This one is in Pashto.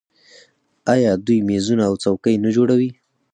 آیا دوی میزونه او څوکۍ نه جوړوي؟